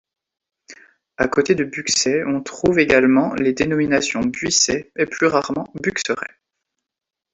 À côté de buxaie on trouve également les dénominations buissaie et plus rarement buxeraie.